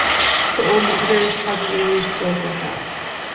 The old martyrs probably used to look like that.